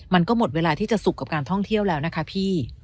มันก็หมดเวลาที่จะสุขกับการท่องเที่ยวแล้วนะคะพี่